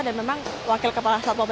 dan memang wakil kepala satwa ppdki jakarta